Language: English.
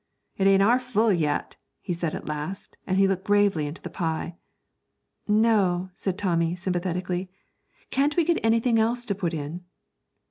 'It ain't 'arf full yet,' he said at last, as he looked gravely into the pie. 'No,' said Tommy, sympathetically, 'can't we get anything else to put in?'